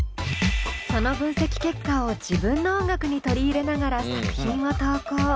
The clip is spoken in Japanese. その分析結果を自分の音楽に取り入れながら作品を投稿。